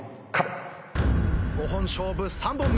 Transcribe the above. ５本勝負３本目。